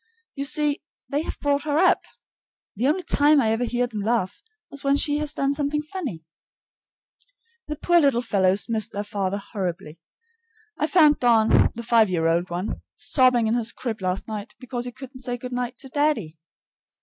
You see, they have brought her up. The only time I ever hear them laugh is when she has done something funny. The poor little fellows miss their father horribly. I found Don, the five year old one, sobbing in his crib last night because he couldn't say good night to "daddy."